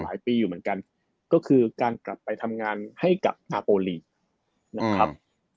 ปีอยู่เหมือนกันก็คือการกลับไปทำงานให้กับอาโอลีนะครับ